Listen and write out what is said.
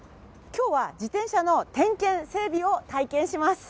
今日は自転車の点検・整備を体験します。